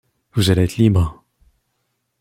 Vous allez être libre!